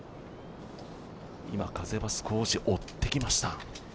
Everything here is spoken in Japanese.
今、風は少し追ってきました。